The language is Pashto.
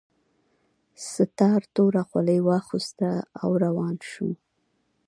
ستار توره خولۍ واغوسته او روان شو